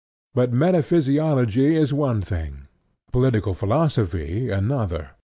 But metaphysiology is one thing, political philosophy another.